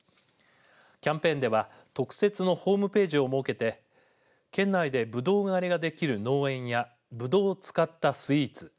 キャンペーンでは特設のホームページを設けて県内でぶどう狩りができる農園やぶどうを使ったスイーツ